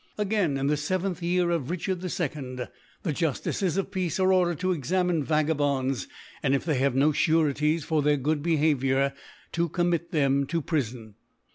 Again, in the 7th Year of Richard IL the Juftices of Peace are ordered to examir.e Vagabonds; and, if they have no Sureties for their good Bwhaviour, to commit them to Prifon.